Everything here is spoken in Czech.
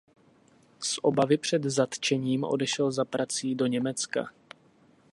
Z obavy před zatčením odešel za prací do Německa.